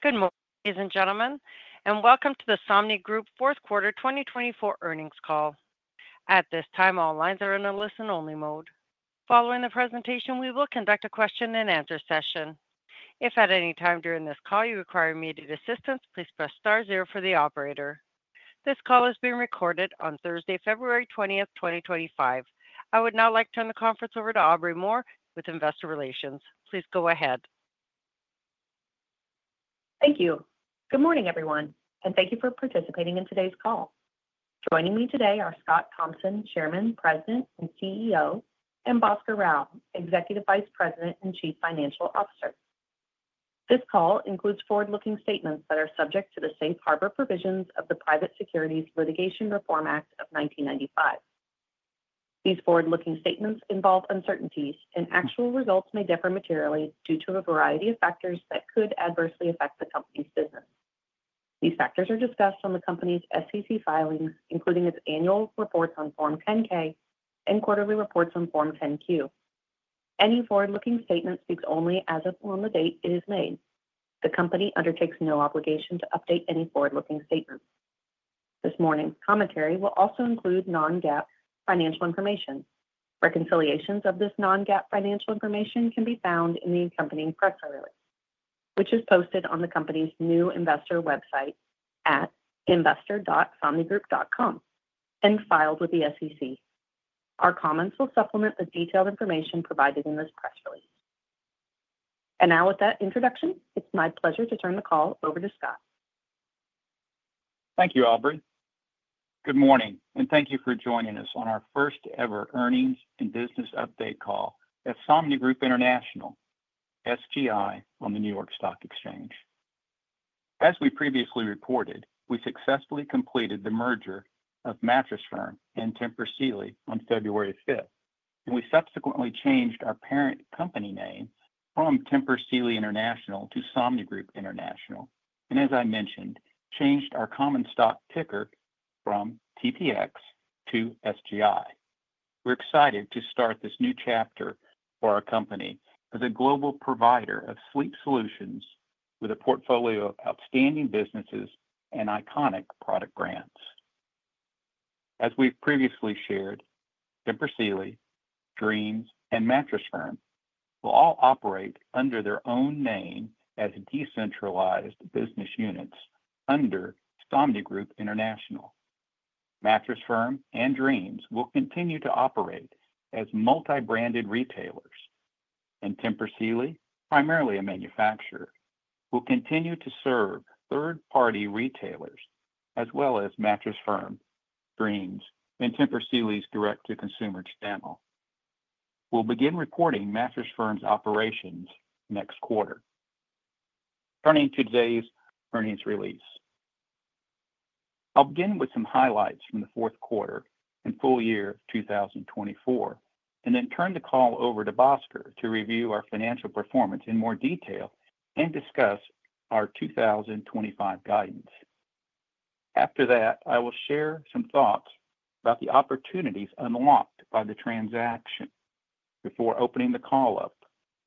Good morning, ladies and gentlemen, and welcome to the Somnigroup Q4 2024 earnings call. At this time, all lines are in a listen-only mode. Following the presentation, we will conduct a question-and-answer session. If at any time during this call you require immediate assistance, please press star zero for the operator. This call is being recorded on Thursday, February 20th, 2025. I would now like to turn the conference over to Aubrey Moore with Investor Relations. Please go ahead. Thank you. Good morning, everyone, and thank you for participating in today's call. Joining me today are Scott Thompson, Chairman, President, and CEO, and Bhaskar Rao, Executive Vice President and Chief Financial Officer. This call includes forward-looking statements that are subject to the safe harbor provisions of the Private Securities Litigation Reform Act of 1995. These forward-looking statements involve uncertainties, and actual results may differ materially due to a variety of factors that could adversely affect the company's business. These factors are discussed on the company's SEC filings, including its annual reports on Form 10-K and quarterly reports on Form 10-Q. Any forward-looking statement speaks only as of the date it is made. The company undertakes no obligation to update any forward-looking statements. This morning's commentary will also include non-GAAP financial information. Reconciliations of this non-GAAP financial information can be found in the accompanying press release, which is posted on the company's new investor website at investor.somnigroup.com and filed with the SEC. Our comments will supplement the detailed information provided in this press release, and now, with that introduction, it's my pleasure to turn the call over to Scott. Thank you, Aubrey. Good morning, and thank you for joining us on our first-ever earnings and business update call at Somnigroup International, SGI, on the New York Stock Exchange. As we previously reported, we successfully completed the merger of Mattress Firm and Tempur Sealy on February 5th, and we subsequently changed our parent company name from Tempur Sealy International to Somnigroup International, and, as I mentioned, changed our common stock ticker from TPX to SGI. We're excited to start this new chapter for our company as a global provider of sleep solutions with a portfolio of outstanding businesses and iconic product brands. As we've previously shared, Tempur Sealy, Dreams, and Mattress Firm will all operate under their own name as decentralized business units under Somnigroup International. Mattress Firm and Dreams will continue to operate as multi-branded retailers, and Tempur Sealy, primarily a manufacturer, will continue to serve third-party retailers as well as Mattress Firm, Dreams, and Tempur Sealy's direct-to-consumer channel. We'll begin reporting Mattress Firm's operations next quarter. Turning to today's earnings release, I'll begin with some highlights from the Q4 and full year 2024, and then turn the call over to Bhaskar to review our financial performance in more detail and discuss our 2025 guidance. After that, I will share some thoughts about the opportunities unlocked by the transaction before opening the call up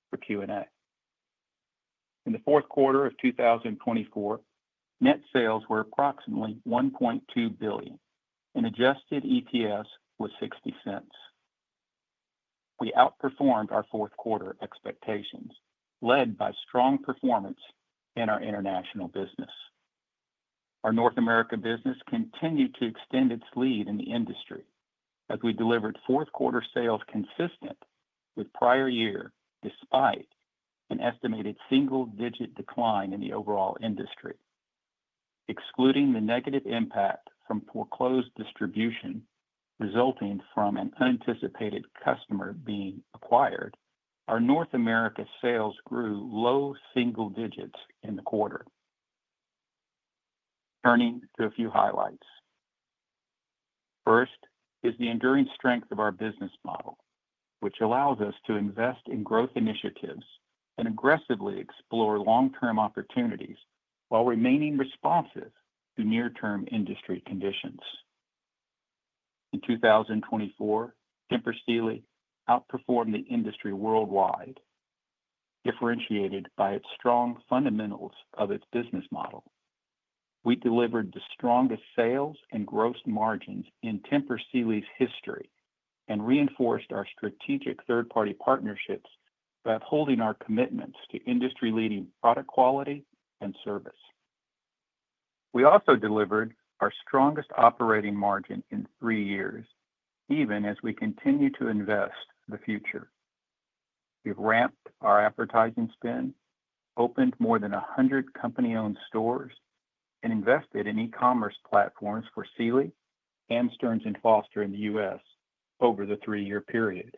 for Q&A. In the Q4 of 2024, net sales were approximately $1.2 billion, and adjusted EPS was $0.60. We outperformed our Q4 expectations, led by strong performance in our international business. Our North America business continued to extend its lead in the industry as we delivered Q4 sales consistent with prior year despite an estimated single-digit decline in the overall industry. Excluding the negative impact from foreclosed distribution resulting from an unanticipated customer being acquired, our North America sales grew low single digits in the quarter. Turning to a few highlights. First is the enduring strength of our business model, which allows us to invest in growth initiatives and aggressively explore long-term opportunities while remaining responsive to near-term industry conditions. In 2024, Tempur Sealy outperformed the industry worldwide, differentiated by its strong fundamentals of its business model. We delivered the strongest sales and gross margins in Tempur Sealy's history and reinforced our strategic third-party partnerships by upholding our commitments to industry-leading product quality and service. We also delivered our strongest operating margin in three years, even as we continue to invest for the future. We've ramped our advertising spend, opened more than 100 company-owned stores, and invested in e-commerce platforms for Sealy and Stearns & Foster in the U.S. over the three-year period.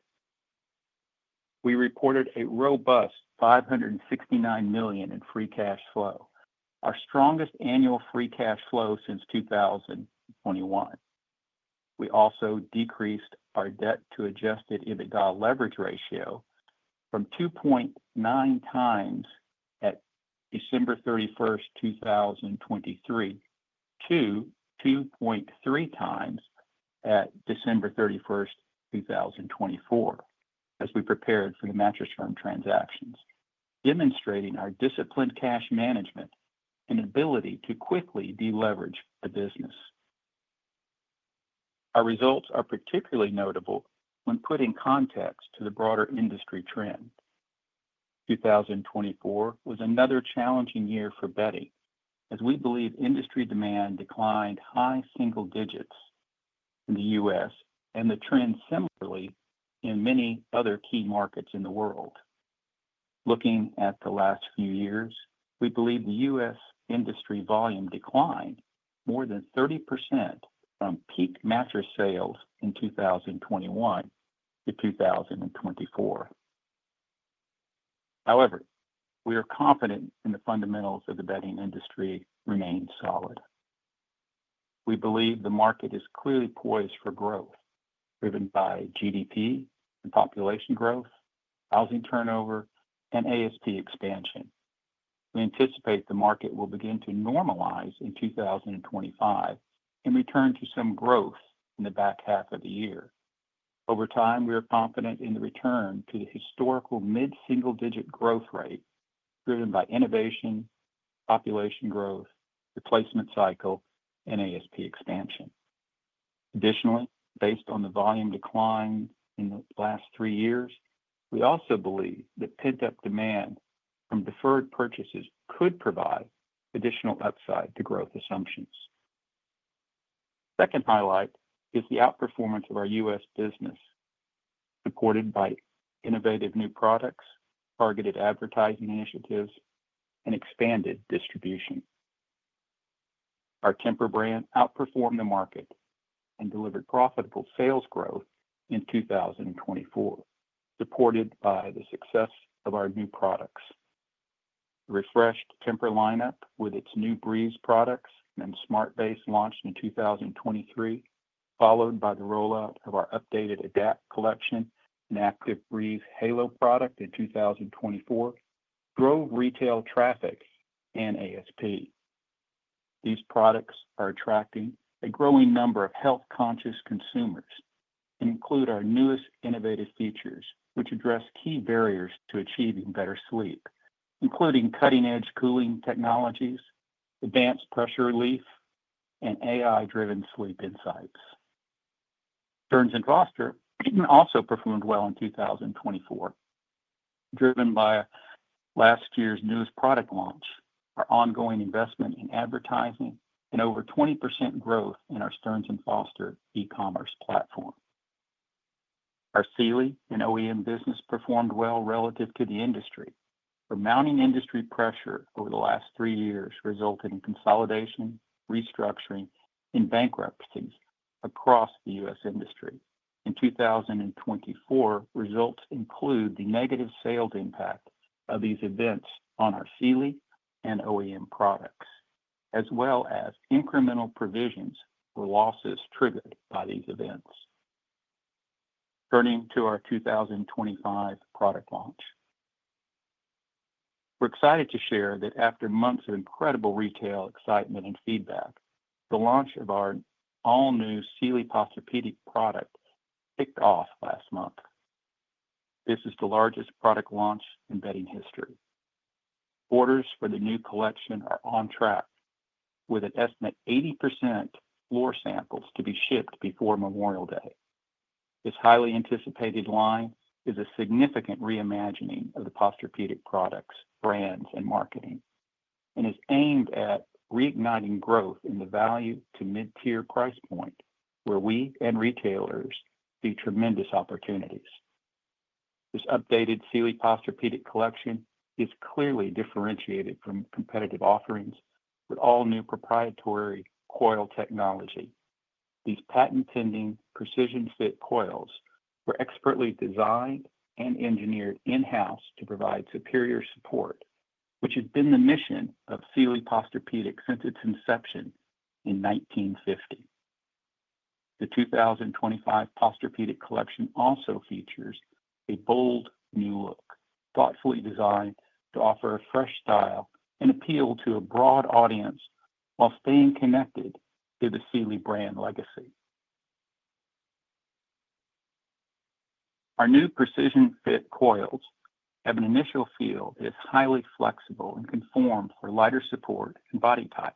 We reported a robust $569 million in free cash flow, our strongest annual free cash flow since 2021. We also decreased our debt-to-adjusted EBITDA leverage ratio from 2.9 times at December 31st, 2023, to 2.3 times at December 31st, 2024, as we prepared for the Mattress Firm transactions, demonstrating our disciplined cash management and ability to quickly deleverage the business. Our results are particularly notable when put in context to the broader industry trend. 2024 was another challenging year for the bedding industry, as we believe industry demand declined high single digits in the U.S. And the trend similarly in many other key markets in the world. Looking at the last few years, we believe the U.S. industry volume declined more than 30% from peak mattress sales in 2021 to 2024. However, we are confident in the fundamentals of the bedding industry remaining solid. We believe the market is clearly poised for growth, driven by GDP and population growth, housing turnover, and ASP expansion. We anticipate the market will begin to normalize in 2025 and return to some growth in the back half of the year. Over time, we are confident in the return to the historical mid-single-digit growth rate driven by innovation, population growth, replacement cycle, and ASP expansion. Additionally, based on the volume decline in the last three years, we also believe that pent-up demand from deferred purchases could provide additional upside to growth assumptions. Second highlight is the outperformance of our U.S. business, supported by innovative new products, targeted advertising initiatives, and expanded distribution. Our Tempur brand outperformed the market and delivered profitable sales growth in 2024, supported by the success of our new products. The refreshed Tempur lineup with its new Breeze products and Smart Base launched in 2023, followed by the rollout of our updated Adapt collection and Active Breeze Halo product in 2024, drove retail traffic and ASP. These products are attracting a growing number of health-conscious consumers and include our newest innovative features, which address key barriers to achieving better sleep, including cutting-edge cooling technologies, advanced pressure relief, and AI-driven sleep insights. Stearns & Foster also performed well in 2024. Driven by last year's newest product launch, our ongoing investment in advertising and over 20% growth in our Stearns & Foster e-commerce platform. Our Sealy and OEM business performed well relative to the industry. The mounting industry pressure over the last three years resulted in consolidation, restructuring, and bankruptcies across the U.S. industry. In 2024, results include the negative sales impact of these events on our Sealy and OEM products, as well as incremental provisions for losses triggered by these events. Turning to our 2025 product launch, we're excited to share that after months of incredible retail excitement and feedback, the launch of our all-new Sealy Posturepedic product kicked off last month. This is the largest product launch in bedding history. Orders for the new collection are on track, with an estimate of 80% floor samples to be shipped before Memorial Day. This highly anticipated line is a significant reimagining of the Posturepedic products, brands, and marketing, and is aimed at reigniting growth in the value-to-mid-tier price point, where we and retailers see tremendous opportunities. This updated Sealy Posturepedic collection is clearly differentiated from competitive offerings with all-new proprietary coil technology. These patent-pending precision-fit coils were expertly designed and engineered in-house to provide superior support, which has been the mission of Sealy Posturepedic since its inception in 1950. The 2025 Posturepedic collection also features a bold new look, thoughtfully designed to offer a fresh style and appeal to a broad audience while staying connected to the Sealy brand legacy. Our new precision-fit coils have an initial feel that is highly flexible and conformed for lighter support and body types.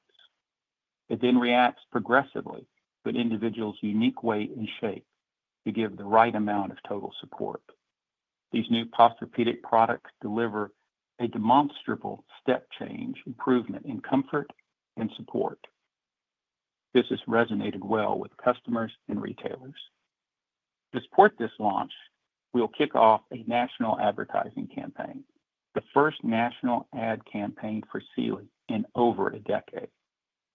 It then reacts progressively to an individual's unique weight and shape to give the right amount of total support. These new Posturepedic products deliver a demonstrable step change improvement in comfort and support. This has resonated well with customers and retailers. To support this launch, we'll kick off a national advertising campaign, the first national ad campaign for Sealy in over a decade,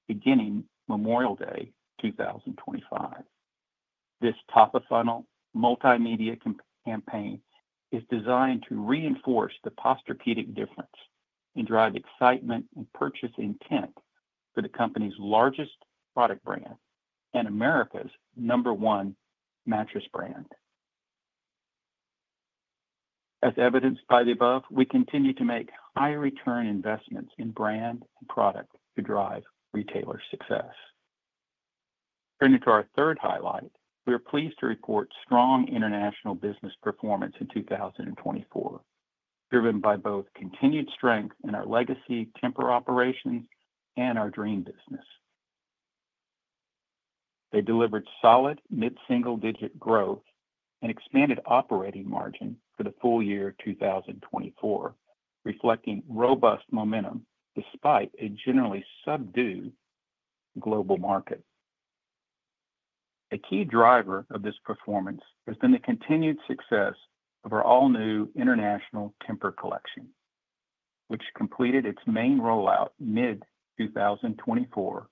beginning Memorial Day 2025. This top-of-funnel multimedia campaign is designed to reinforce the Posturepedic difference and drive excitement and purchase intent for the company's largest product brand and America's number one mattress brand. As evidenced by the above, we continue to make high-return investments in brand and product to drive retailer success. Turning to our third highlight, we are pleased to report strong international business performance in 2024, driven by both continued strength in our legacy Tempur operations and our Dreams business. They delivered solid mid-single digit growth and expanded operating margin for the full year 2024, reflecting robust momentum despite a generally subdued global market. A key driver of this performance has been the continued success of our all-new international Tempur collection, which completed its main rollout mid-2024,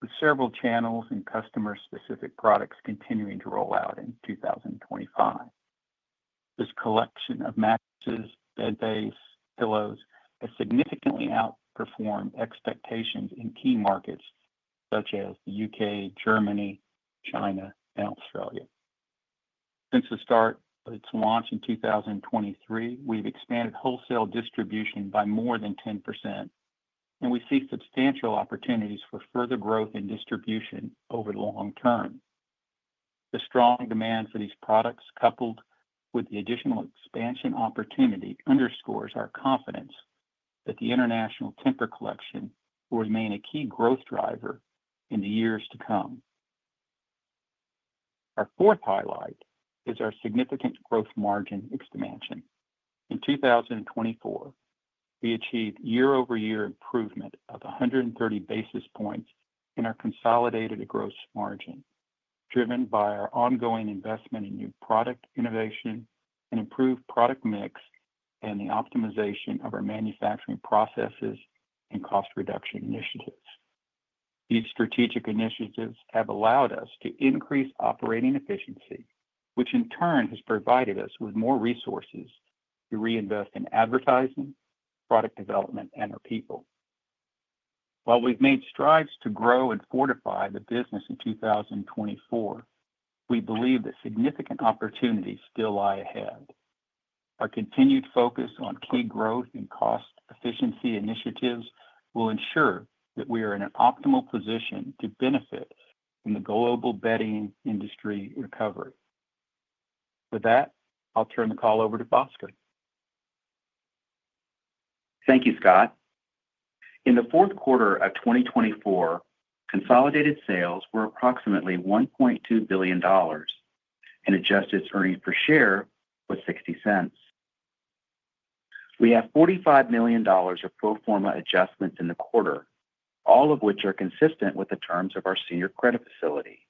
with several channels and customer-specific products continuing to rollout in 2025. This collection of mattresses, bed bases, and pillows has significantly outperformed expectations in key markets such as the U.K., Germany, China, and Australia. Since the start of its launch in 2023, we've expanded wholesale distribution by more than 10%, and we see substantial opportunities for further growth and distribution over the long term. The strong demand for these products, coupled with the additional expansion opportunity, underscores our confidence that the international Tempur collection will remain a key growth driver in the years to come. Our fourth highlight is our significant gross margin expansion. In 2024, we achieved year-over-year improvement of 130 basis points in our consolidated gross margin, driven by our ongoing investment in new product innovation and improved product mix, and the optimization of our manufacturing processes and cost reduction initiatives. These strategic initiatives have allowed us to increase operating efficiency, which in turn has provided us with more resources to reinvest in advertising, product development, and our people. While we've made strides to grow and fortify the business in 2024, we believe that significant opportunities still lie ahead. Our continued focus on key growth and cost efficiency initiatives will ensure that we are in an optimal position to benefit from the global bedding industry recovery. With that, I'll turn the call over to Bhaskar. Thank you, Scott. In the Q4 2024, consolidated sales were approximately $1.2 billion, and adjusted earnings per share was $0.60. We have $45 million of pro forma adjustments in the quarter, all of which are consistent with the terms of our senior credit facility.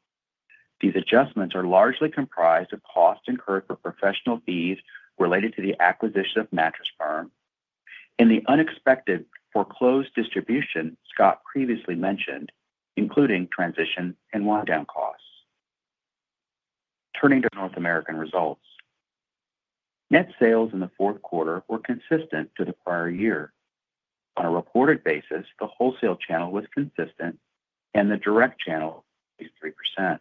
These adjustments are largely comprised of costs incurred for professional fees related to the acquisition of Mattress Firm and the unexpected foreclosed distribution Scott previously mentioned, including transition and wind-down costs. Turning to North American results, net sales in the Q4 were consistent to the prior year. On a reported basis, the wholesale channel was consistent, and the direct channel was 33%.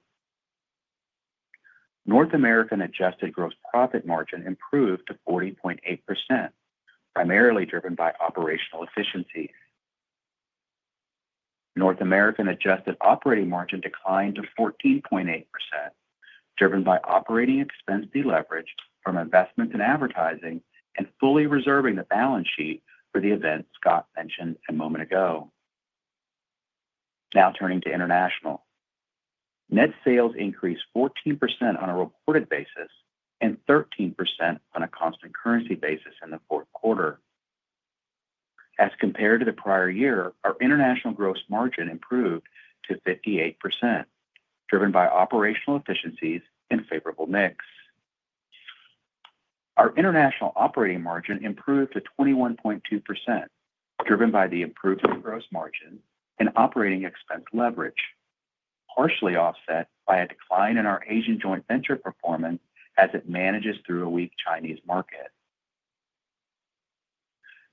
North American adjusted gross profit margin improved to 40.8%, primarily driven by operational efficiencies. North American adjusted operating margin declined to 14.8%, driven by operating expense deleverage from investments in advertising and fully reserving the balance sheet for the events Scott mentioned a moment ago. Now turning to international, net sales increased 14% on a reported basis and 13% on a constant currency basis in the Q4. As compared to the prior year, our international gross margin improved to 58%, driven by operational efficiencies and favorable mix. Our international operating margin improved to 21.2%, driven by the improved gross margin and operating expense leverage, partially offset by a decline in our Asian joint venture performance as it manages through a weak Chinese market.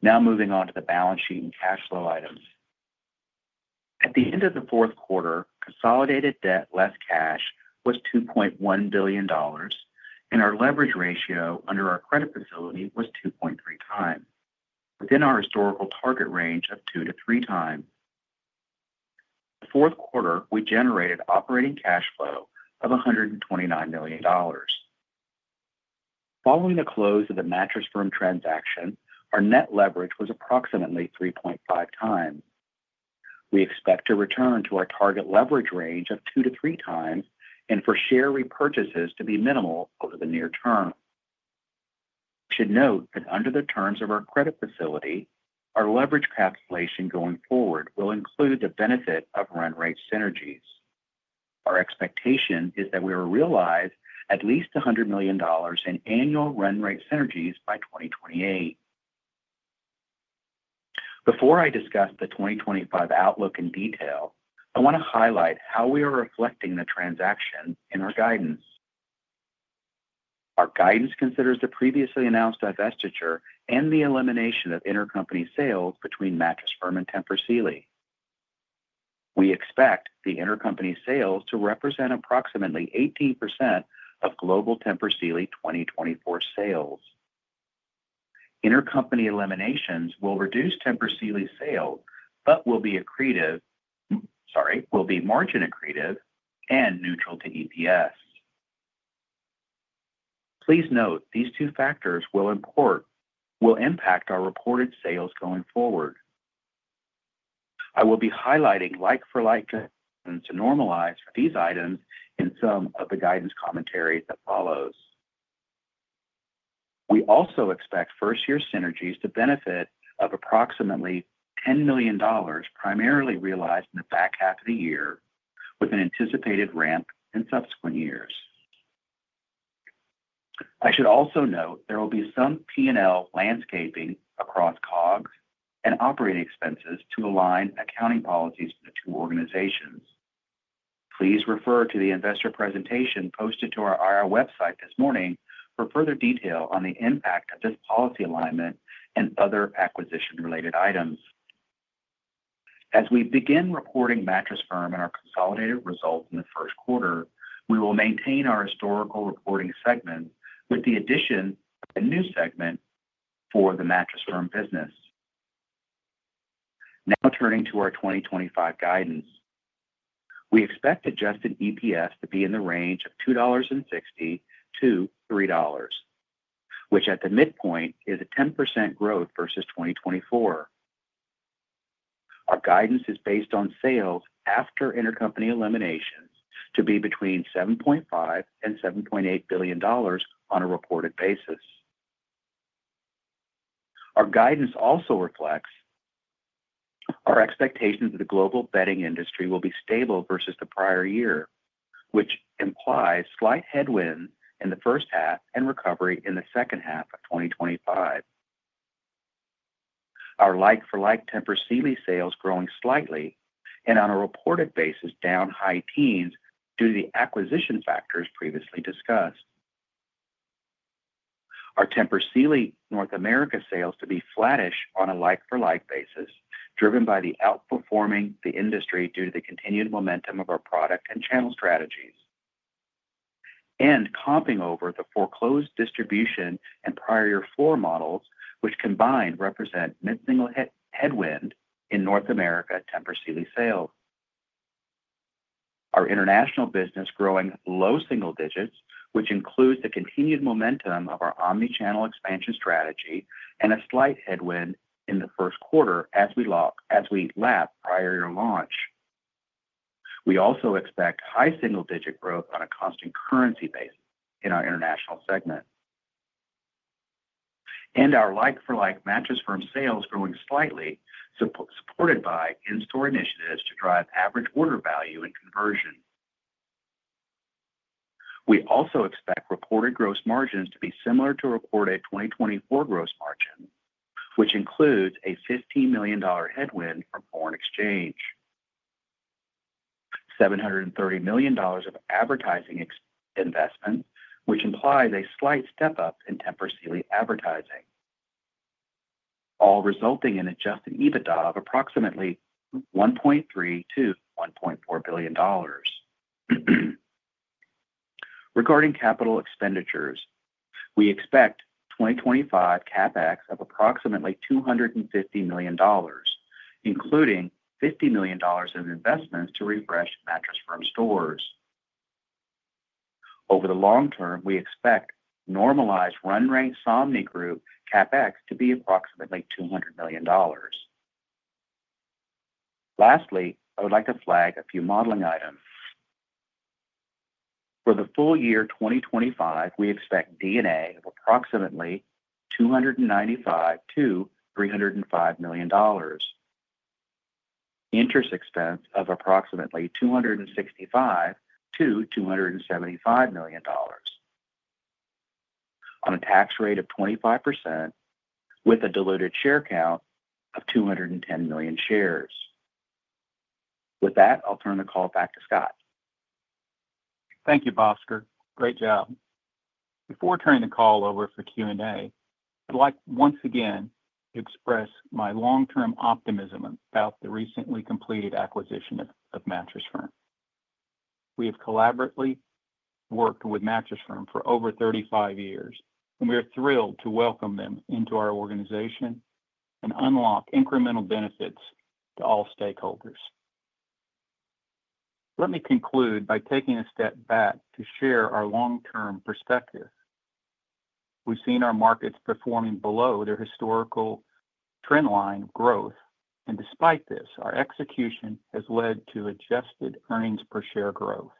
Now moving on to the balance sheet and cash flow items. At the end of the Q4, consolidated debt less cash was $2.1 billion, and our leverage ratio under our credit facility was 2.3 times, within our historical target range of 2 to 3 times. The Q4, we generated operating cash flow of $129 million. Following the close of the Mattress Firm transaction, our net leverage was approximately 3.5 times. We expect to return to our target leverage range of 2 to 3 times and for share repurchases to be minimal over the near term. We should note that under the terms of our credit facility, our leverage calculation going forward will include the benefit of run rate synergies. Our expectation is that we will realize at least $100 million in annual run rate synergies by 2028. Before I discuss the 2025 outlook in detail, I want to highlight how we are reflecting the transaction in our guidance. Our guidance considers the previously announced divestiture and the elimination of intercompany sales between Mattress Firm and Tempur Sealy. We expect the intercompany sales to represent approximately 18% of global Tempur Sealy 2024 sales. Intercompany eliminations will reduce Tempur Sealy sales but will be margin accretive and neutral to EPS. Please note these two factors will impact our reported sales going forward. I will be highlighting like-for-like guidance to normalize for these items in some of the guidance commentary that follows. We also expect first-year synergies to benefit of approximately $10 million, primarily realized in the back half of the year, with an anticipated ramp in subsequent years. I should also note there will be some P&L landscaping across COGS and operating expenses to align accounting policies for the two organizations. Please refer to the investor presentation posted to our IR website this morning for further detail on the impact of this policy alignment and other acquisition-related items. As we begin reporting Mattress Firm and our consolidated results in the Q1, we will maintain our historical reporting segment with the addition of a new segment for the Mattress Firm business. Now turning to our 2025 guidance, we expect adjusted EPS to be in the range of $2.60-3.00, which at the midpoint is a 10% growth versus 2024. Our guidance is based on sales after intercompany eliminations to be between $7.5 billion and $7.8 billion on a reported basis. Our guidance also reflects our expectations that the global bedding industry will be stable versus the prior year, which implies slight headwinds in the H1 and recovery in the H2 of 2025. Our like-for-like Tempur Sealy sales growing slightly and on a reported basis down high teens due to the acquisition factors previously discussed. Our Tempur Sealy North America sales to be flattish on a like-for-like basis, driven by the outperforming of the industry due to the continued momentum of our product and channel strategies and comping over the foreclosed distribution and prior year floor models, which combined represent mid-single headwind in North America Tempur Sealy sales. Our international business growing low single digits, which includes the continued momentum of our omnichannel expansion strategy and a slight headwind in the Q1 as we lap prior year launch. We also expect high single-digit growth on a constant currency basis in our international segment and our like-for-like Mattress Firm sales growing slightly, supported by in-store initiatives to drive average order value and conversion. We also expect reported gross margins to be similar to reported 2024 gross margins, which includes a $15 million headwind from foreign exchange, $730 million of advertising investment, which implies a slight step-up in Tempur Sealy advertising, all resulting in adjusted EBITDA of approximately $1.3 to 1.4 billion. Regarding capital expenditures, we expect 2025 CapEx of approximately $250 million, including $50 million of investments to refresh Mattress Firm stores. Over the long term, we expect normalized run rate Somnigroup CapEx to be approximately $200 million. Lastly, I would like to flag a few modeling items. For the full year 2025, we expect D&A of approximately $295 to 305 million, interest expense of approximately $265 to 275 million, on a tax rate of 25%, with a diluted share count of 210 million shares. With that, I'll turn the call back to Scott. Thank you, Bhaskar. Great job. Before turning the call over for Q&A, I'd like once again to express my long-term optimism about the recently completed acquisition of Mattress Firm. We have collaboratively worked with Mattress Firm for over 35 years, and we are thrilled to welcome them into our organization and unlock incremental benefits to all stakeholders. Let me conclude by taking a step back to share our long-term perspective. We've seen our markets performing below their historical trend line of growth, and despite this, our execution has led to adjusted earnings per share growth.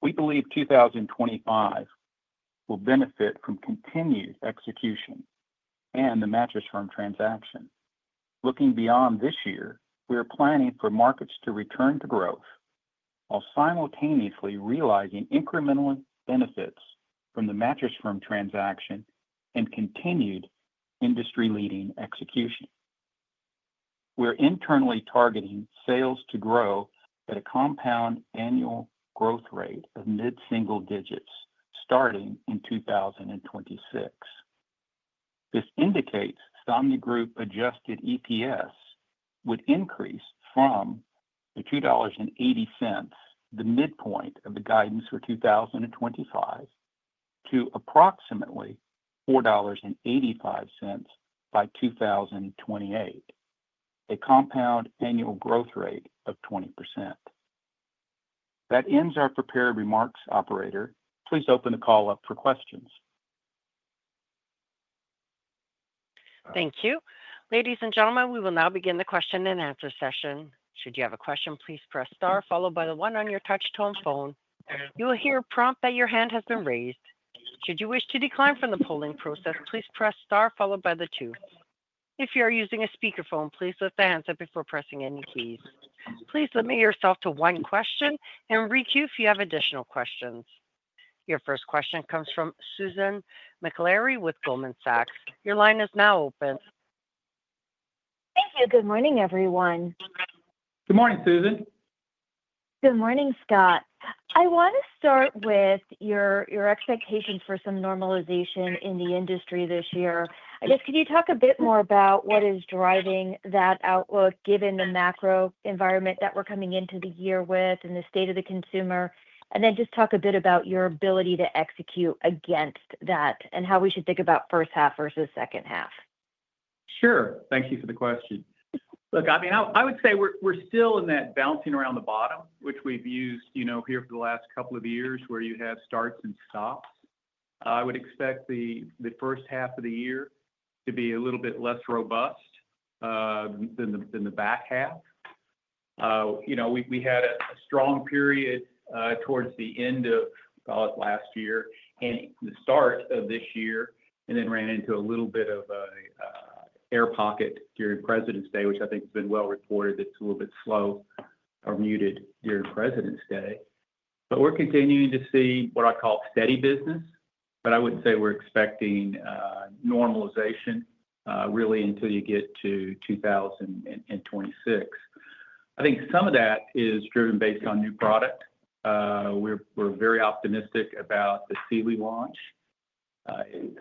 We believe 2025 will benefit from continued execution and the Mattress Firm transaction. Looking beyond this year, we are planning for markets to return to growth while simultaneously realizing incremental benefits from the Mattress Firm transaction and continued industry-leading execution. We're internally targeting sales to grow at a compound annual growth rate of mid-single digits starting in 2026. This indicates Somnigroup adjusted EPS would increase from the $2.80, the midpoint of the guidance for 2025, to approximately $4.85 by 2028, a compound annual growth rate of 20%. That ends our prepared remarks, operator. Please open the call up for questions. Thank you. Ladies and gentlemen, we will now begin the question and answer session. Should you have a question, please press star, followed by the one on your touch-tone phone. You will hear a prompt that your hand has been raised. Should you wish to decline from the polling process, please press star, followed by the two. If you are using a speakerphone, please lift the hands up before pressing any keys. Please limit yourself to one question and requeue if you have additional questions. Your first question comes from Susan Maklari with Goldman Sachs. Your line is now open. Thank you. Good morning, everyone. Good morning, Susan. Good morning, Scott. I want to start with your expectations for some normalization in the industry this year. I guess, could you talk a bit more about what is driving that outlook given the macro environment that we're coming into the year with and the state of the consumer? And then just talk a bit about your ability to execute against that and how we should think about H1 versus H2. Sure. Thank you for the question. Look, I mean, I would say we're still in that bouncing around the bottom, which we've used here for the last couple of years where you have starts and stops. I would expect the H1 of the year to be a little bit less robust than the back half. We had a strong period towards the end of, call it, last year and the start of this year, and then ran into a little bit of an air pocket during Presidents' Day, which I think has been well reported that it's a little bit slow or muted during Presidents' Day. But we're continuing to see what I call steady business, but I wouldn't say we're expecting normalization really until you get to 2026. I think some of that is driven based on new product. We're very optimistic about the Sealy launch.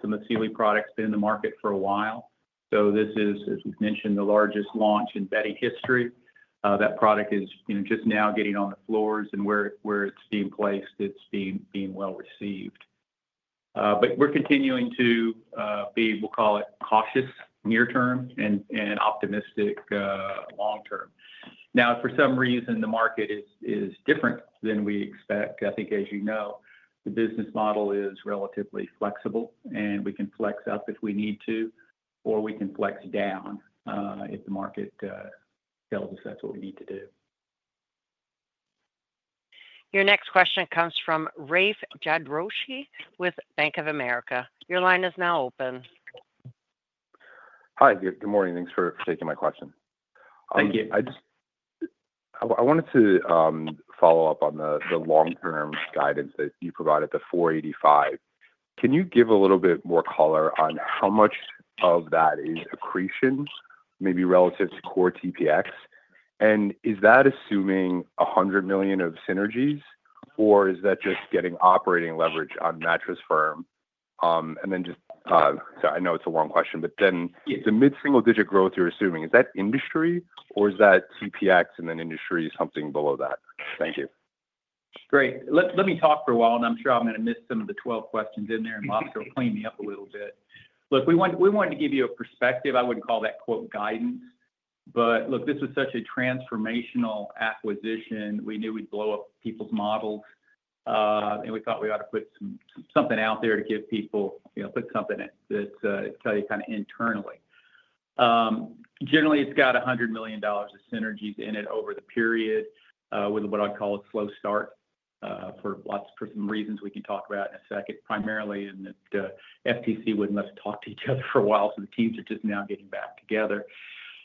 Some of the Sealy products have been in the market for a while. So this is, as we've mentioned, the largest launch in bedding history. That product is just now getting on the floors, and where it's being placed, it's being well received. But we're continuing to be, we'll call it cautious near-term and optimistic long-term. Now, for some reason, the market is different than we expect. I think, as you know, the business model is relatively flexible, and we can flex up if we need to, or we can flex down if the market tells us that's what we need to do. Your next question comes from Rafe Jadrosich with Bank of America. Your line is now open. Hi. Good morning. Thanks for taking my question. Thank you. I wanted to follow up on the long-term guidance that you provided at the 485. Can you give a little bit more color on how much of that is accretion, maybe relative to core TPX? And is that assuming $100 million of synergies, or is that just getting operating leverage on Mattress Firm? Then just, sorry, I know it's a long question, but then the mid-single-digit growth you're assuming, is that industry, or is that TPX and then industry something below that? Thank you. Great. Let me talk for a while, and I'm sure I'm going to miss some of the 12 questions in there, and Bhaskar will clean me up a little bit. Look, we wanted to give you a perspective. I wouldn't call that, quote, guidance, but look, this was such a transformational acquisition. We knew we'd blow up people's models, and we thought we ought to put something out there to give people, put something that tells you kind of internally. Generally, it's got $100 million of synergies in it over the period with what I'd call a slow start for some reasons we can talk about in a second, primarily in that FTC wouldn't let us talk to each other for a while, so the teams are just now getting back together,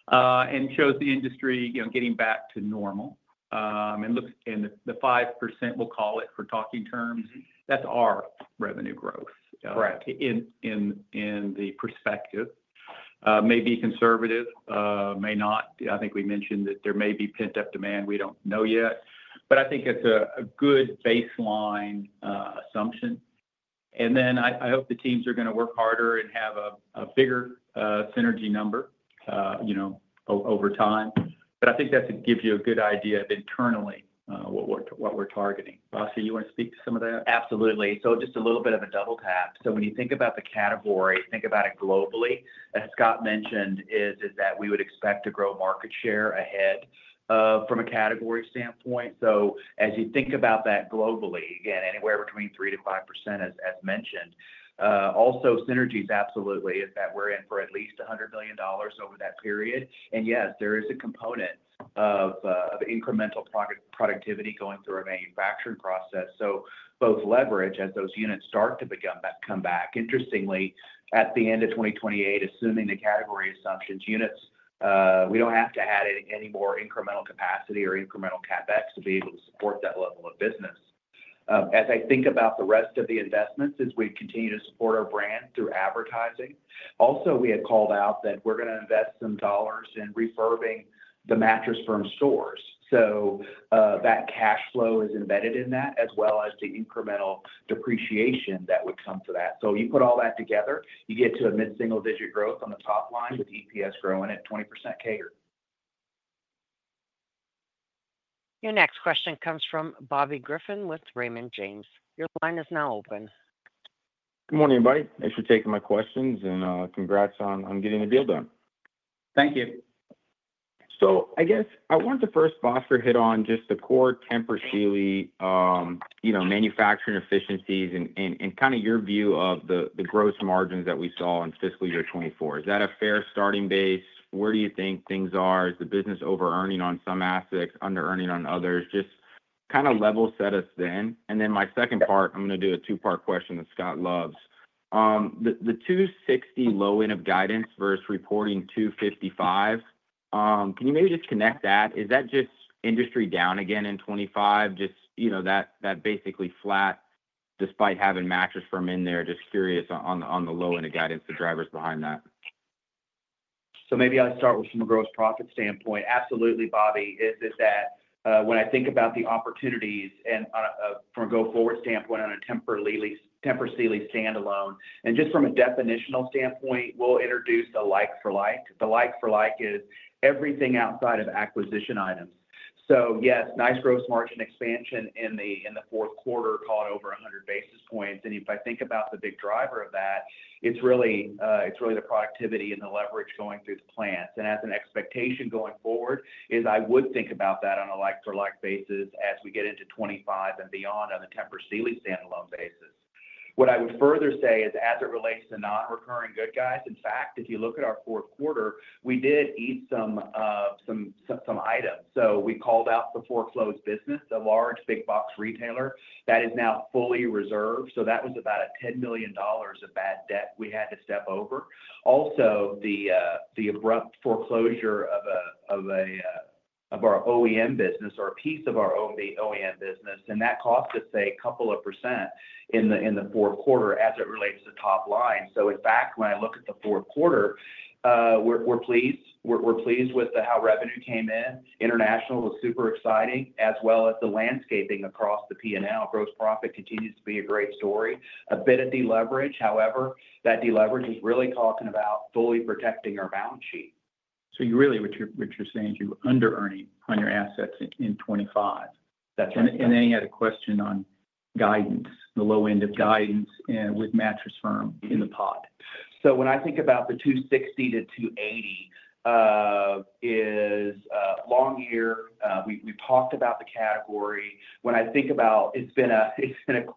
and it shows the industry getting back to normal. And the 5%, we'll call it for talking terms, that's our revenue growth in the perspective. Maybe conservative, may not. I think we mentioned that there may be pent-up demand. We don't know yet, but I think it's a good baseline assumption, and then I hope the teams are going to work harder and have a bigger synergy number over time, but I think that gives you a good idea of internally what we're targeting. Bhaskar, you want to speak to some of that? Absolutely. Just a little bit of a double tap. When you think about the category, think about it globally. As Scott mentioned, we would expect to grow market share ahead from a category standpoint. As you think about that globally, again, anywhere between 3% to 5%, as mentioned. Also, synergies, absolutely, we're in for at least $100 million over that period. And yes, there is a component of incremental productivity going through our manufacturing process. Both leverage as those units start to come back. Interestingly, at the end of 2028, assuming the category assumptions, units, we don't have to add any more incremental capacity or incremental CapEx to be able to support that level of business. As I think about the rest of the investments, as we continue to support our brand through advertising, also, we had called out that we're going to invest some dollars in refurbishing the Mattress Firm stores. So that cash flow is embedded in that, as well as the incremental depreciation that would come to that. So you put all that together, you get to a mid-single digit growth on the top line with EPS growing at 20% CAGR. Your next question comes from Bobby Griffin with Raymond James. Your line is now open. Good morning, everybody. Thanks for taking my questions, and congrats on getting the deal done. Thank you. So I guess I wanted to first, Bhaskar, hit on just the core Tempur-Sealy manufacturing efficiencies and kind of your view of the gross margins that we saw in fiscal year 2024. Is that a fair starting base? Where do you think things are? Is the business over-earning on some assets, under-earning on others? Just kind of level set us then. And then my second part, I'm going to do a two-part question that Scott loves. The 260 low-end of guidance versus reporting 255, can you maybe just connect that? Is that just industry down again in 2025? Just that basically flat despite having Mattress Firm in there. Just curious on the low-end of guidance, the drivers behind that. So maybe I'll start with from a gross profit standpoint. Absolutely, Bobby. Is it that when I think about the opportunities from a go-forward standpoint on a Tempur Sealy standalone? And just from a definitional standpoint, we'll introduce the like-for-like. The like-for-like is everything outside of acquisition items. So yes, nice gross margin expansion in the Q4 clocked over 100 basis points. And if I think about the big driver of that, it's really the productivity and the leverage going through the plants. And as an expectation going forward, I would think about that on a like-for-like basis as we get into 2025 and beyond on the Tempur Sealy standalone basis. What I would further say is, as it relates to non-recurring good guys, in fact, if you look at our Q4, we did eat some items. So we called out the foreclosed business, a large big-box retailer that is now fully reserved. So that was about a $10 million of bad debt we had to step over. Also, the abrupt foreclosure of our OEM business or a piece of our OEM business, and that cost us a couple of % in the Q4 as it relates to top line. In fact, when I look at the Q4, we're pleased. We're pleased with how revenue came in. International was super exciting, as well as the landscaping across the P&L. Gross profit continues to be a great story. A bit of deleverage. However, that deleverage is really talking about fully protecting our balance sheet. Really, what you're saying is you're under-earning on your assets in 2025. Then he had a question on guidance, the low-end of guidance with Mattress Firm in the pot. When I think about the 260 to 280 is long year. We've talked about the category. When I think about it's been a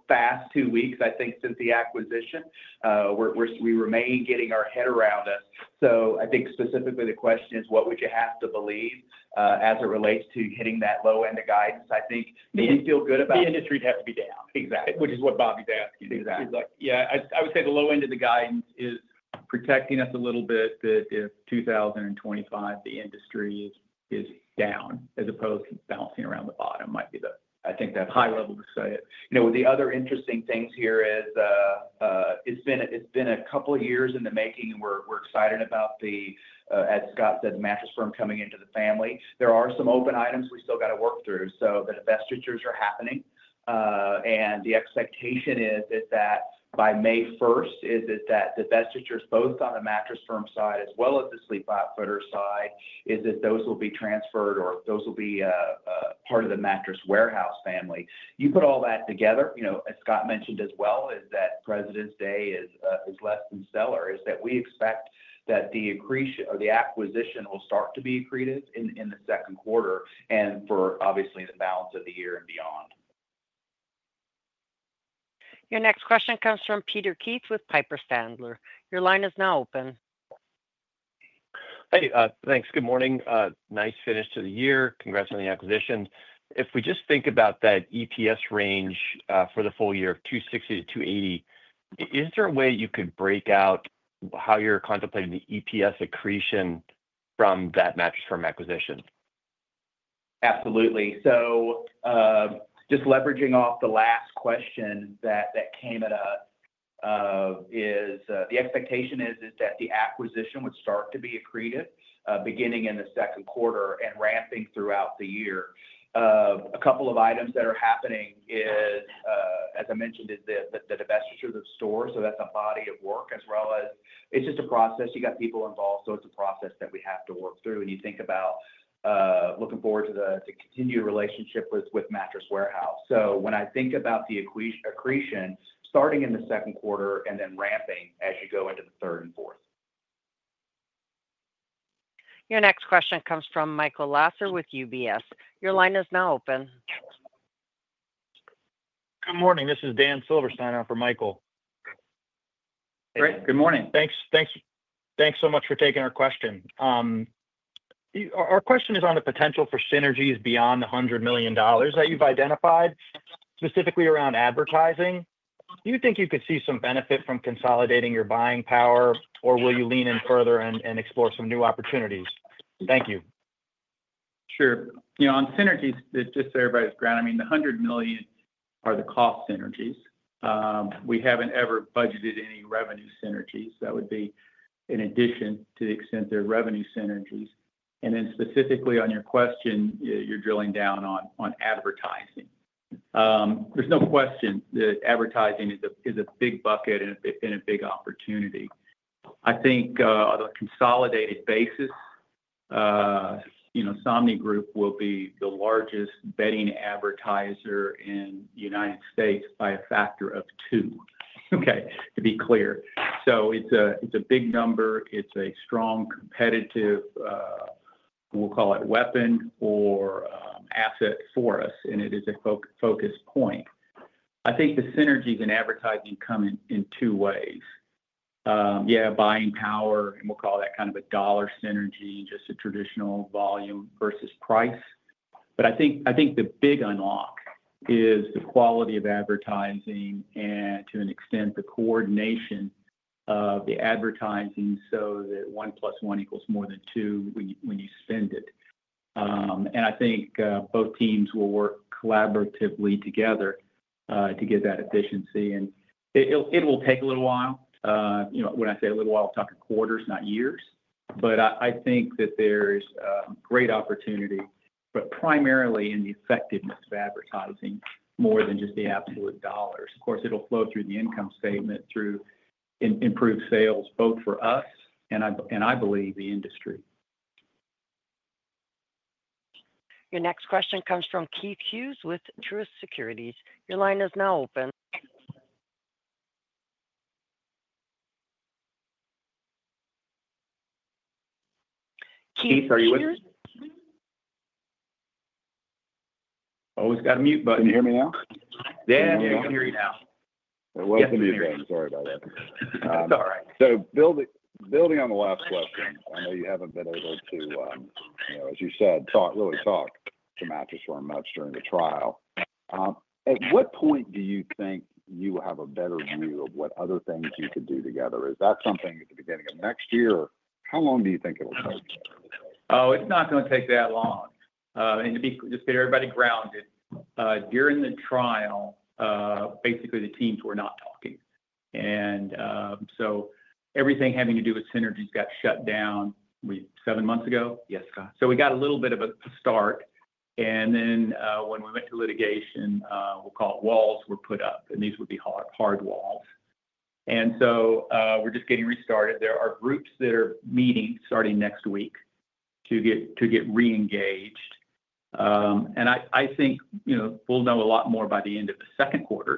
fast two weeks, I think, since the acquisition. We remain getting our head around us. I think specifically the question is, what would you have to believe as it relates to hitting that low-end of guidance? I think if you feel good about the industry, it'd have to be down. Exactly. Which is what Bobby's asking. Exactly. Yeah. I would say the low-end of the guidance is protecting us a little bit that if 2025, the industry is down as opposed to bouncing around the bottom might be the high level to say it. The other interesting things here is it's been a couple of years in the making, and we're excited about the, as Scott said, the Mattress Firm coming into the family. There are some open items we still got to work through, so the divestitures are happening, and the expectation is that by May 1st, is it that the divestitures, both on the Mattress Firm side as well as the Sleep Outfitters side, is that those will be transferred or those will be part of the Mattress Warehouse family? You put all that together. As Scott mentioned as well, that Presidents' Day is less than stellar, that we expect that the acquisition will start to be accretive in the Q2 and for, obviously, the balance of the year and beyond. Your next question comes from Peter Keith with Piper Sandler. Your line is now open. Hey. Thanks. Good morning. Nice finish to the year. Congrats on the acquisition. If we just think about that EPS range for the full year, $2.60-$2.80, is there a way you could break out how you're contemplating the EPS accretion from that Mattress Firm acquisition? Absolutely. So just leveraging off the last question that came at us, the expectation is that the acquisition would start to be accretive beginning in the Q2 and ramping throughout the year. A couple of items that are happening is, as I mentioned, is that the divestitures of stores. So that's a body of work, as well as it's just a process. You got people involved. So it's a process that we have to work through. And you think about looking forward to the continued relationship with Mattress Warehouse. So when I think about the accretion, starting in the Q2 and then ramping as you go into the third and fourth. Your next question comes from Michael Lasser with UBS. Your line is now open. Good morning. This is Dan Silverstein for Michael. Great. Good morning. Thanks so much for taking our question. Our question is on the potential for synergies beyond the $100 million that you've identified, specifically around advertising. Do you think you could see some benefit from consolidating your buying power, or will you lean in further and explore some new opportunities? Thank you. Sure. On synergies, just to get everybody grounded, I mean, the $100 million are the cost synergies. We haven't ever budgeted any revenue synergies. That would be in addition to the extent they're revenue synergies. And then specifically on your question, you're drilling down on advertising. There's no question that advertising is a big bucket and a big opportunity. I think on a consolidated basis, Somnigroup will be the largest bedding advertiser in the United States by a factor of two, okay, to be clear. So it's a big number. It's a strong competitive, we'll call it weapon or asset for us, and it is a focus point. I think the synergies in advertising come in two ways. Yeah, buying power, and we'll call that kind of a dollar synergy and just a traditional volume versus price. But I think the big unlock is the quality of advertising and, to an extent, the coordination of the advertising so that one plus one equals more than two when you spend it. And I think both teams will work collaboratively together to get that efficiency. And it will take a little while. When I say a little while, I'll talk in quarters, not years. But I think that there's great opportunity, but primarily in the effectiveness of advertising more than just the absolute dollars. Of course, it'll flow through the income statement, through improved sales, both for us, and I believe the industry. Your next question comes from Keith Hughes with Truist Securities. Your line is now open. Keith, are you with us? Always got a mute button. Can you hear me now? Yeah, we can hear you now. It wasn't the music. Sorry about that. It's all right. So building on the last question, I know you haven't been able to, as you said, really talk to Mattress Firm much during the trial. At what point do you think you will have a better view of what other things you could do together? Is that something at the beginning of next year? How long do you think it will take? Oh, it's not going to take that long. And just to get everybody grounded, during the trial, basically, the teams were not talking. And so everything having to do with synergies got shut down seven months ago. Yes, Scott. So we got a little bit of a start. Then when we went to litigation, we'll call it walls were put up, and these would be hard walls. And so we're just getting restarted. There are groups that are meeting starting next week to get re-engaged. And I think we'll know a lot more by the end of the Q2.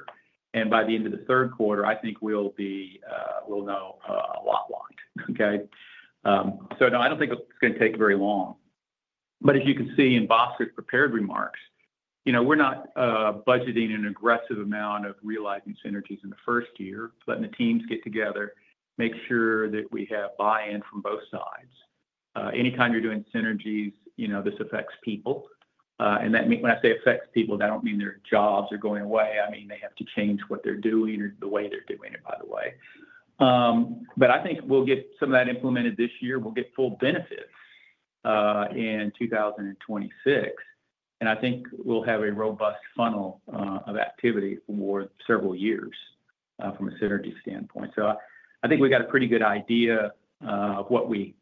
And by the end of the Q3, I think we'll know a lot more, okay? So no, I don't think it's going to take very long. But as you can see in Bhaskar prepared remarks, we're not budgeting an aggressive amount of realizing synergies in the first year, letting the teams get together, make sure that we have buy-in from both sides. Anytime you're doing synergies, this affects people. And when I say affects people, I don't mean their jobs are going away. I mean, they have to change what they're doing or the way they're doing it, by the way. But I think we'll get some of that implemented this year. We'll get full benefits in 2026. And I think we'll have a robust funnel of activity for several years from a synergy standpoint. So I think we've got a pretty good idea of what we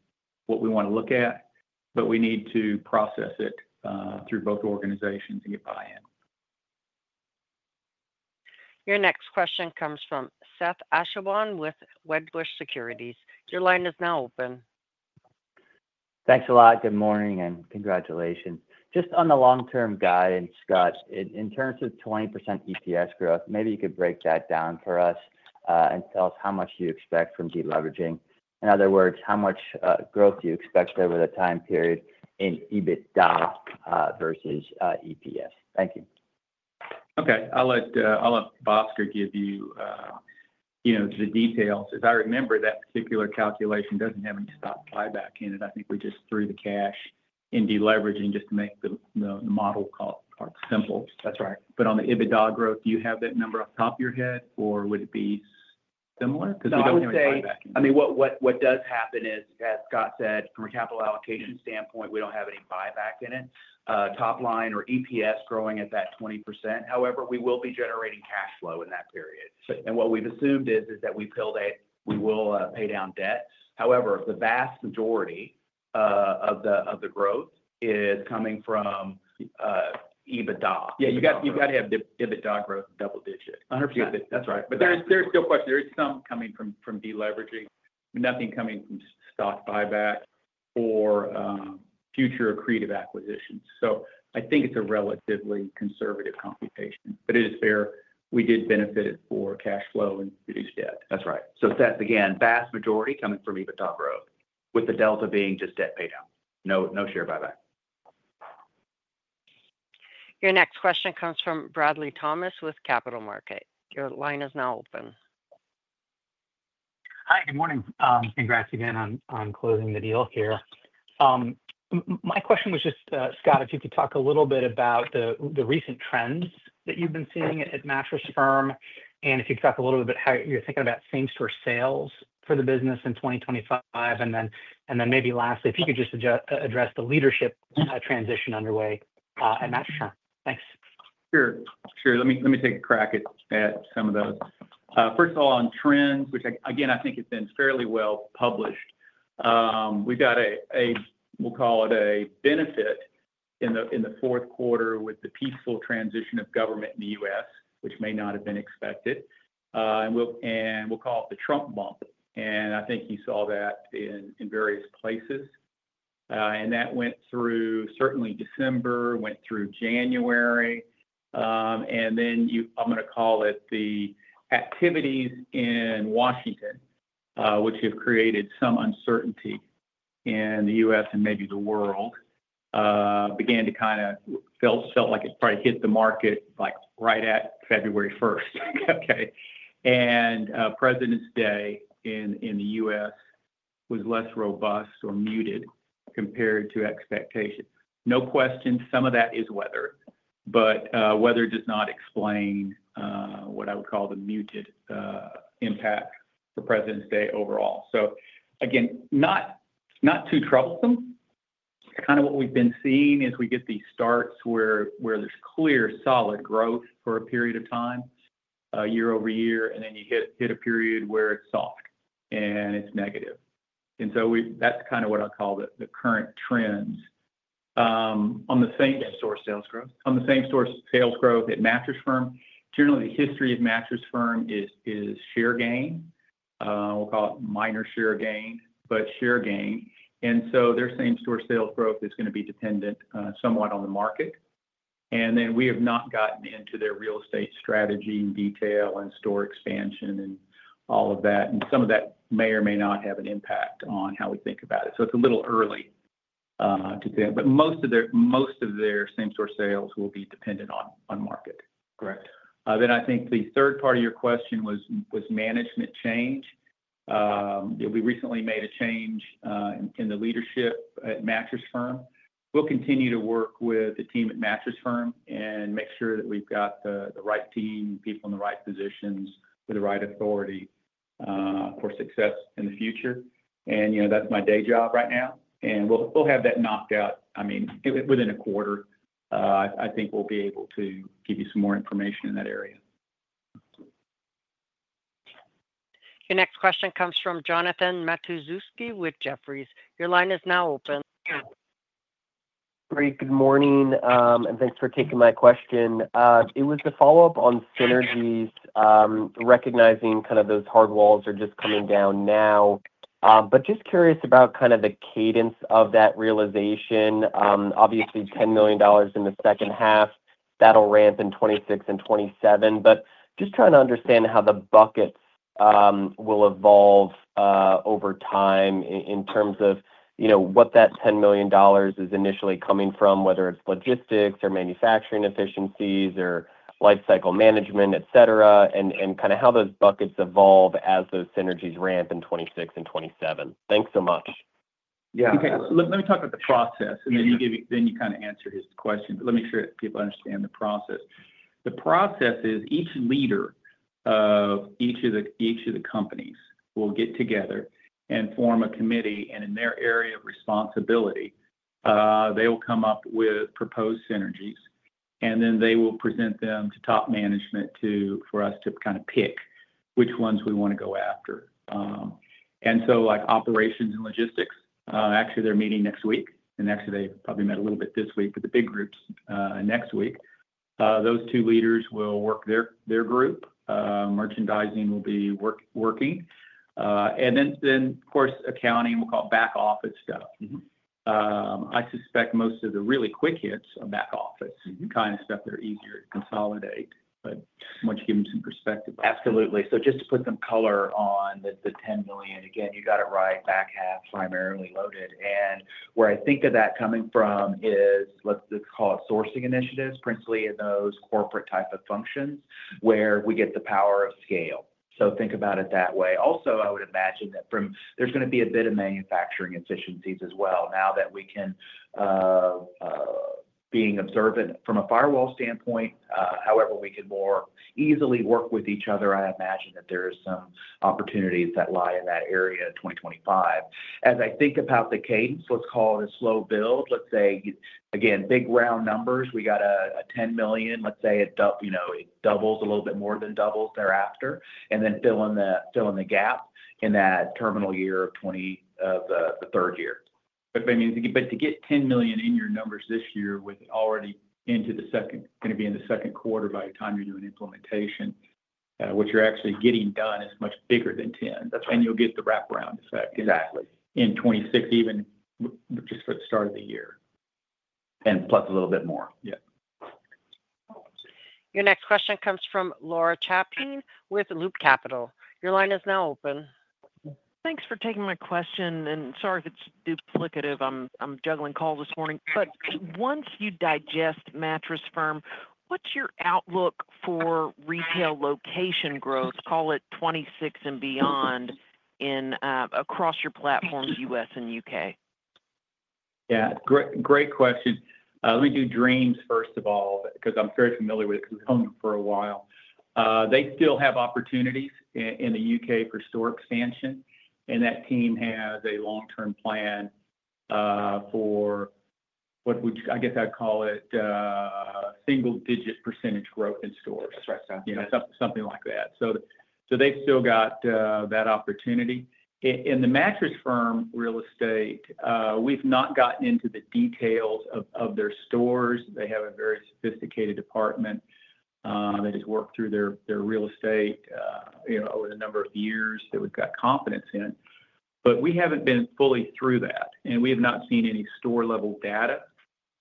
want to look at, but we need to process it through both organizations and get buy-in. Your next question comes from Seth Basham with Wedbush Securities. Your line is now open. Thanks a lot. Good morning and congratulations. Just on the long-term guidance, Scott, in terms of 20% EPS growth, maybe you could break that down for us and tell us how much you expect from deleveraging. In other words, how much growth do you expect over the time period in EBITDA versus EPS? Thank you. Okay. I'll let Bosworth give you the details. As I remember, that particular calculation doesn't have any stock buyback in it. I think we just threw the cash in deleveraging just to make the model simple. That's right. But on the EBITDA growth, do you have that number off the top of your head, or would it be similar? Because we don't have any buyback in it. I mean, what does happen is, as Scott said, from a capital allocation standpoint, we don't have any buyback in it. Top line or EPS growing at that 20%. However, we will be generating cash flow in that period. And what we've assumed is that we will pay down debt. However, the vast majority of the growth is coming from EBITDA. Yeah, you've got to have EBITDA growth double-digit. 100%. That's right. But there's still question. There is some coming from deleveraging, nothing coming from stock buyback or future accretive acquisitions. So I think it's a relatively conservative computation, but it is fair. We did benefit for cash flow and reduced debt. That's right. So again, vast majority coming from EBITDA growth, with the delta being just debt paydown. No share buyback. Your next question comes from Bradley Thomas with KeyBanc Capital Markets. Your line is now open. Hi. Good morning. Congrats again on closing the deal here. My question was just, Scott, if you could talk a little bit about the recent trends that you've been seeing at Mattress Firm and if you could talk a little bit about how you're thinking about same-store sales for the business in 2025. And then maybe lastly, if you could just address the leadership transition underway at Mattress Firm. Thanks. Sure. Sure. Let me take a crack at some of those. First of all, on trends, which again, I think has been fairly well published, we've got a, we'll call it a benefit in the Q4 with the peaceful transition of government in the U.S., which may not have been expected. And we'll call it the Trump bump. And I think you saw that in various places. And that went through certainly December, went through January. And then I'm going to call it the activities in Washington, which have created some uncertainty in the U.S. and maybe the world, began to kind of felt like it probably hit the market right at February 1st, okay? And President's Day in the U.S. was less robust or muted compared to expectations. No question. Some of that is weather. But weather does not explain what I would call the muted impact for President's Day overall. So again, not too troublesome. Kind of what we've been seeing is we get these starts where there's clear, solid growth for a period of time, year over year, and then you hit a period where it's soft and it's negative. And so that's kind of what I'd call the current trends. On the same-store sales growth. On the same-store sales growth at Mattress Firm, generally the history of Mattress Firm is share gain. We'll call it minor share gain, but share gain. And so their same-store sales growth is going to be dependent somewhat on the market. And then we have not gotten into their real estate strategy in detail and store expansion and all of that. Some of that may or may not have an impact on how we think about it. So it's a little early to think. But most of their same-store sales will be dependent on market. Correct. Then I think the third part of your question was management change. We recently made a change in the leadership at Mattress Firm. We'll continue to work with the team at Mattress Firm and make sure that we've got the right team, people in the right positions with the right authority for success in the future. And that's my day job right now. And we'll have that knocked out, I mean, within a quarter. I think we'll be able to give you some more information in that area. Your next question comes from Jonathan Matuszewski with Jefferies. Your line is now open. Great. Good morning. And thanks for taking my question. It was to follow up on synergies, recognizing kind of those hard walls are just coming down now. But just curious about kind of the cadence of that realization. Obviously, $10 million in the H2, that'll ramp in 2026 and 2027. But just trying to understand how the buckets will evolve over time in terms of what that $10 million is initially coming from, whether it's logistics or manufacturing efficiencies or lifecycle management, etc., and kind of how those buckets evolve as those synergies ramp in 2026 and 2027. Thanks so much. Yeah. Okay. Let me talk about the process, and then you kind of answer his question. But let me make sure that people understand the process. The process is each leader of each of the companies will get together and form a committee, and in their area of responsibility, they will come up with proposed synergies. And then they will present them to top management for us to kind of pick which ones we want to go after. And so operations and logistics, actually, they're meeting next week. And actually, they've probably met a little bit this week, but the big groups next week. Those two leaders will work their group. Merchandising will be working. And then, of course, accounting, we'll call it back office stuff. I suspect most of the really quick hits are back office kind of stuff that are easier to consolidate. But I want you to give them some perspective. Absolutely. So just to put some color on the $10 million, again, you got it right, back half primarily loaded. And where I think of that coming from is, let's call it sourcing initiatives, principally in those corporate type of functions where we get the power of scale. So think about it that way. Also, I would imagine that there's going to be a bit of manufacturing efficiencies as well now that we can be observant from a firewall standpoint. However, we can more easily work with each other. I imagine that there are some opportunities that lie in that area in 2025. As I think about the cadence, let's call it a slow build. Let's say, again, big round numbers. We got a $10 million. Let's say it doubles a little bit more than doubles thereafter, and then fill in the gap in that terminal year of the third year. But to get $10 million in your numbers this year with already into the second, going to be in the Q2 by the time you're doing implementation, what you're actually getting done is much bigger than 10. You'll get the wrap-around effect in 2026, even just for the start of the year. And plus a little bit more. Yeah. Your next question comes from Laura Champine with Loop Capital. Your line is now open. Thanks for taking my question. And sorry if it's duplicative. I'm juggling calls this morning. But once you digest Mattress Firm, what's your outlook for retail location growth, call it 2026 and beyond, across your platforms, U.S. and U.K.? Yeah. Great question. Let me do Dreams first of all, because I'm very familiar with it because we've owned for a while. They still have opportunities in the U.K. for store expansion. And that team has a long-term plan for what I guess I'd call it single-digit % growth in stores. That's right. Something like that. So they've still got that opportunity. In the Mattress Firm real estate, we've not gotten into the details of their stores. They have a very sophisticated department that has worked through their real estate over the number of years that we've got confidence in. But we haven't been fully through that. And we have not seen any store-level data.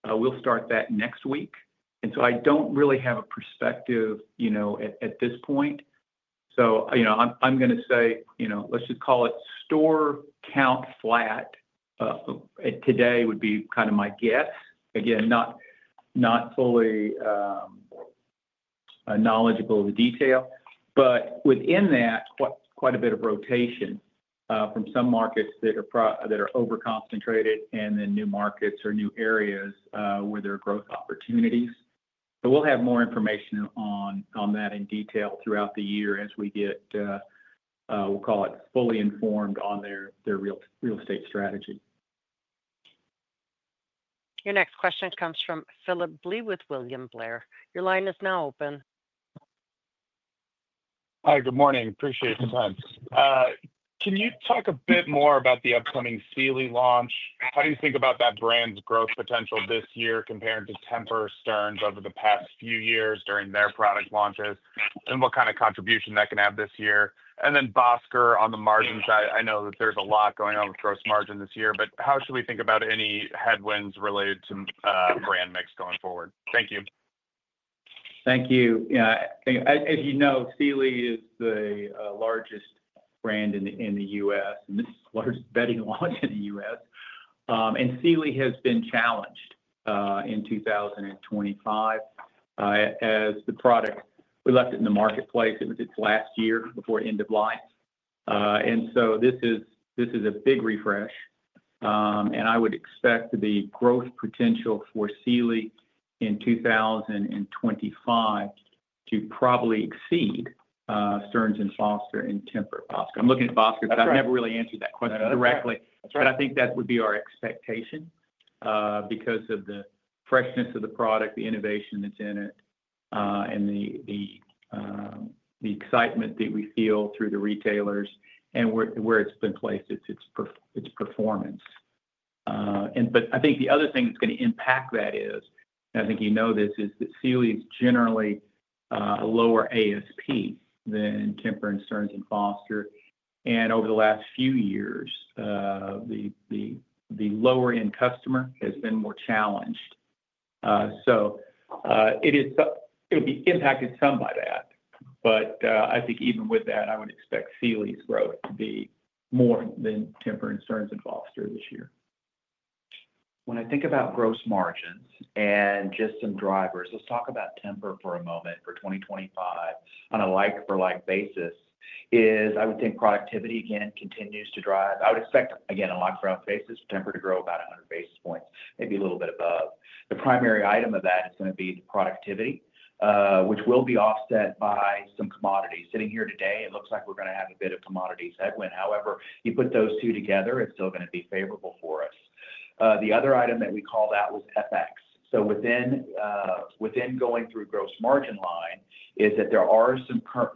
We'll start that next week. And so I don't really have a perspective at this point. So I'm going to say, let's just call it store count flat today would be kind of my guess. Again, not fully knowledgeable of the detail. But within that, quite a bit of rotation from some markets that are over-concentrated and then new markets or new areas where there are growth opportunities. But we'll have more information on that in detail throughout the year as we get, we'll call it fully informed on their real estate strategy. Your next question comes from Phillip Blee with William Blair. Your line is now open. Hi. Good morning. Appreciate the time. Can you talk a bit more about the upcoming Sealy launch? How do you think about that brand's growth potential this year compared to Tempur, Stearns over the past few years during their product launches? And what kind of contribution that can have this year? And then Bhaskar on the margin side. I know that there's a lot going on with gross margin this year. But how should we think about any headwinds related to brand mix going forward? Thank you. Thank you. As you know, Sealy is the largest brand in the U.S., and this is the largest bedding launch in the U.S. And Sealy has been challenged in 2025 as the product we left it in the marketplace. It was its last year before end of life. So this is a big refresh. I would expect the growth potential for Sealy in 2025 to probably exceed Stearns & Foster and Tempur, both. I'm looking at both because I've never really answered that question directly. But I think that would be our expectation because of the freshness of the product, the innovation that's in it, and the excitement that we feel through the retailers and where it's been placed, its performance. But I think the other thing that's going to impact that is, and I think you know this, that Sealy is generally a lower ASP than Tempur, Stearns & Foster. And over the last few years, the lower-end customer has been more challenged. So it would be impacted some by that. But I think even with that, I would expect Sealy's growth to be more than Tempur, Stearns & Foster this year. When I think about gross margins and just some drivers, let's talk about Tempur for a moment for 2025 on a like-for-like basis. I would think productivity, again, continues to drive. I would expect, again, on a like-for-like basis, Tempur to grow about 100 basis points, maybe a little bit above. The primary item of that is going to be productivity, which will be offset by some commodities. Sitting here today, it looks like we're going to have a bit of commodities headwind. However, you put those two together, it's still going to be favorable for us. The other item that we called out was FX. So within going through gross margin line is that there are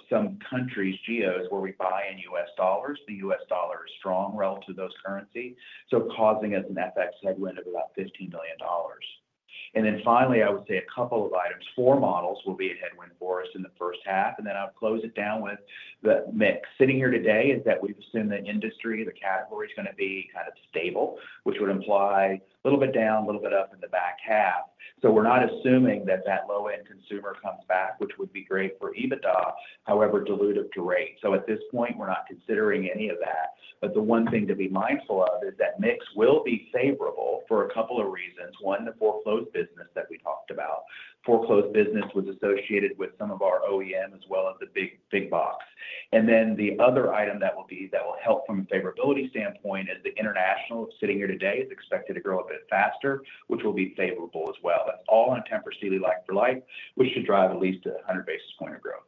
some countries, EMs, where we buy in U.S. dollars. The U.S. dollar is strong relative to those currencies, so causing us an FX headwind of about $15 million. And then finally, I would say a couple of items. Four models will be a headwind for us in the H1. And then I'll close it down with the mix. Sitting here today is that we assume the industry, the category is going to be kind of stable, which would imply a little bit down, a little bit up in the back half. So we're not assuming that that low-end consumer comes back, which would be great for EBITDA, however dilutive to margin. So at this point, we're not considering any of that. But the one thing to be mindful of is that mix will be favorable for a couple of reasons. One, the wholesale business that we talked about. Wholesale business was associated with some of our OEM as well as the big box. And then the other item that will help from a favorability standpoint is the international. Sitting here today, it's expected to grow a bit faster, which will be favorable as well. That's all on Tempur Sealy, like-for-like, which should drive at least 100 basis points of growth.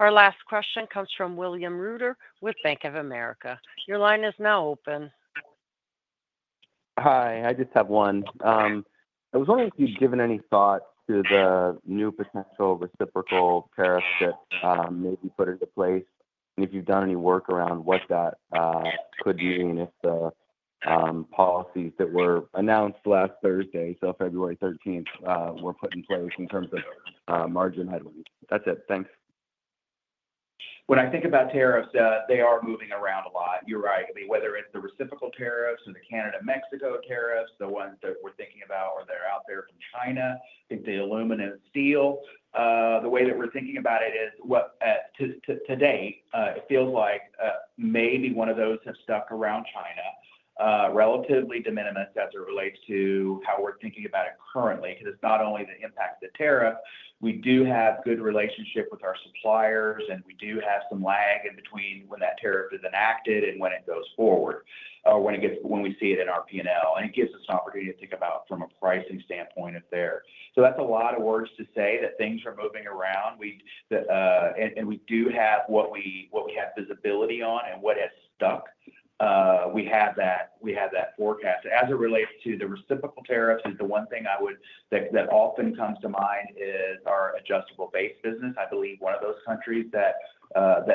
Our last question comes from William Reuter with Bank of America. Your line is now open. Hi. I just have one. I was wondering if you'd given any thought to the new potential reciprocal tariff that may be put into place and if you've done any work around what that could mean if the policies that were announced last Thursday, so February 13th, were put in place in terms of margin headwinds. That's it. Thanks. When I think about tariffs, they are moving around a lot. You're right. I mean, whether it's the reciprocal tariffs or the Canada-Mexico tariffs, the ones that we're thinking about or they're out there from China, I think the aluminum and steel, the way that we're thinking about it is to date, it feels like maybe one of those have stuck around China, relatively de minimis as it relates to how we're thinking about it currently because it's not only the impact of the tariff. We do have a good relationship with our suppliers, and we do have some lag in between when that tariff is enacted and when it goes forward or when we see it in our P&L. And it gives us an opportunity to think about from a pricing standpoint if they're so that's a lot of words to say that things are moving around. And we do have what we have visibility on and what has stuck. We have that forecast. As it relates to the reciprocal tariffs, the one thing that often comes to mind is our adjustable base business. I believe one of those countries that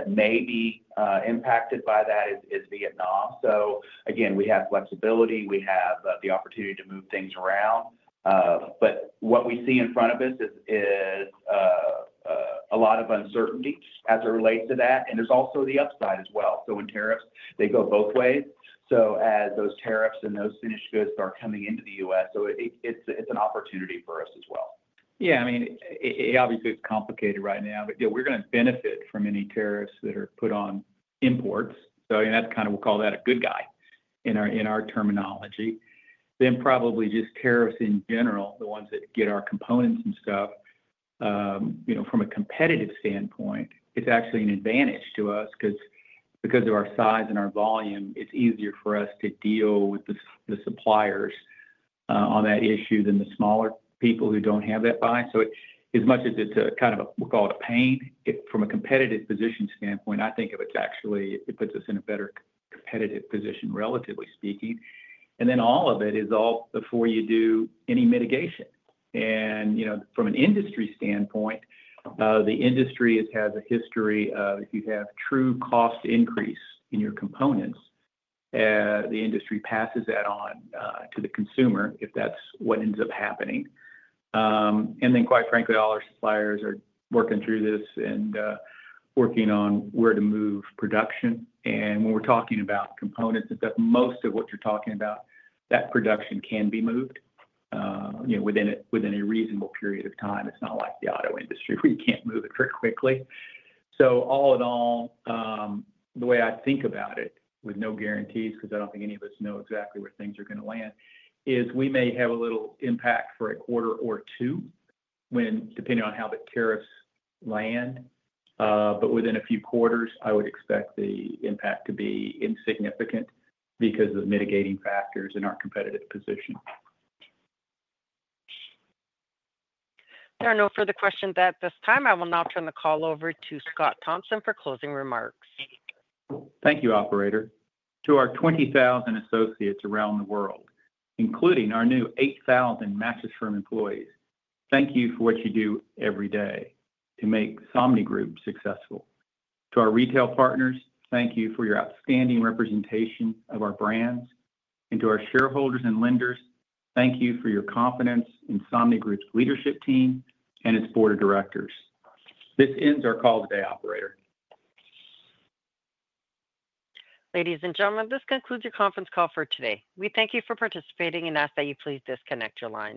may be impacted by that is Vietnam. So again, we have flexibility. We have the opportunity to move things around. But what we see in front of us is a lot of uncertainty as it relates to that. And there's also the upside as well. So when tariffs, they go both ways. So as those tariffs and those finished goods start coming into the U.S., so it's an opportunity for us as well. Yeah. I mean, obviously, it's complicated right now. But yeah, we're going to benefit from any tariffs that are put on imports. So that's kind of, we'll call that a good guy in our terminology. Then, probably just tariffs in general, the ones that get our components and stuff. From a competitive standpoint, it's actually an advantage to us because of our size and our volume. It's easier for us to deal with the suppliers on that issue than the smaller people who don't have that buy. So as much as it's kind of a we'll call it a pain, from a competitive position standpoint, I think of it. Actually, it puts us in a better competitive position, relatively speaking. And then all of it is before you do any mitigation. And from an industry standpoint, the industry has a history of if you have true cost increase in your components, the industry passes that on to the consumer if that's what ends up happening. And then, quite frankly, all our suppliers are working through this and working on where to move production. When we're talking about components and stuff, most of what you're talking about, that production can be moved within a reasonable period of time. It's not like the auto industry where you can't move it very quickly. All in all, the way I think about it with no guarantees because I don't think any of us know exactly where things are going to land, is we may have a little impact for a quarter or two depending on how the tariffs land. Within a few quarters, I would expect the impact to be insignificant because of mitigating factors in our competitive position. There are no further questions at this time. I will now turn the call over to Scott Thompson for closing remarks. Thank you, Operator. To our 20,000 associates around the world, including our new 8,000 Mattress Firm employees, thank you for what you do every day to make Somnigroup successful. To our retail partners, thank you for your outstanding representation of our brands. And to our shareholders and lenders, thank you for your confidence in Somnigroup's leadership team and its board of directors. This ends our call today, Operator. Ladies and gentlemen, this concludes your conference call for today. We thank you for participating and ask that you please disconnect your lines.